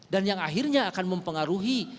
dan yang akhirnya akan mempengaruhi